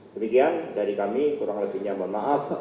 demikian dari kami kurang lebihnya memaaf